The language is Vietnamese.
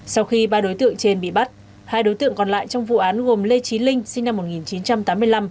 sau khi ba đối tượng trên bị bắt hai đối tượng còn lại trong vụ án gồm lê trí linh sinh năm một nghìn chín trăm tám mươi năm